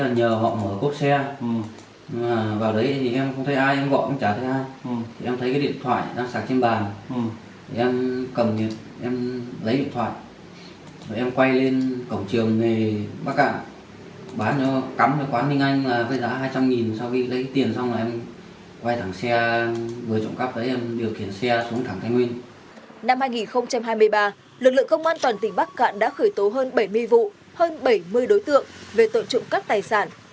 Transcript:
năm hai nghìn hai mươi ba lực lượng công an toàn tỉnh bắc cạn đã khởi tố hơn bảy mươi vụ hơn bảy mươi đối tượng về tộn trụng các tài sản